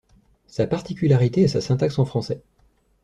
Sa particularité est sa syntaxe en français.